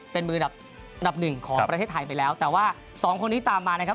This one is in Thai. เป็นมือดับอันดับหนึ่งของประเทศไทยไปแล้วแต่ว่าสองคนนี้ตามมานะครับ